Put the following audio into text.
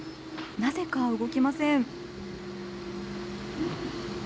なぜか動きません。